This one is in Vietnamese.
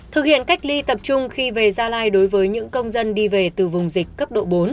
thực hiện cách ly tập trung khi về gia lai đối với những công dân đi về từ vùng dịch cấp độ bốn